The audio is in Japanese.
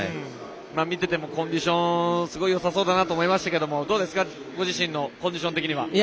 見ててもコンディションがすごいよさそうだなと思いましたが、どうですかご自身のコンディション的には。